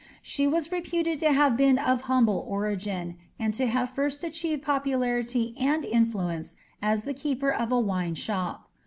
She was reputed to have been of humble origin, and to have first achieved popularity and influence as the keeper of a wine shop.